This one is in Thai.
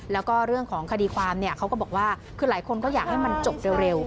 แล้วก็เรื่องของคดีความเนี่ยเขาก็บอกว่าคือหลายคนก็อยากให้มันจบเร็ว